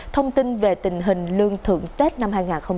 thông tin về tình hình lương thưởng tết năm hai nghìn hai mươi